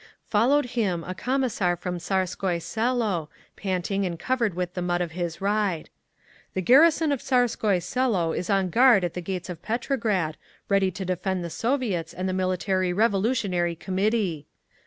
Followed him a Commissar from Tsarskoye Selo, panting and covered with the mud of his ride. "The garrison of Tsarskoye Selo is on guard at the gates of Petrograd, ready to defend the Soviets and the Military Revolutionary Committee!"